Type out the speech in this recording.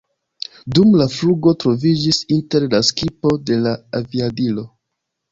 Dum la flugo troviĝis inter la skipo de la aviadilo.